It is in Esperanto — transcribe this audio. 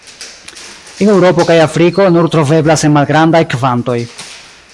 En Eŭropo kaj Afriko nur troveblas en malgrandaj kvantoj.